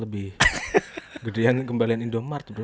buset ya sama kembalian indomaret